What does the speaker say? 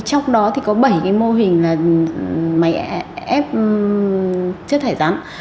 trong đó thì có bảy cái mô hình là máy ép chất thải rắn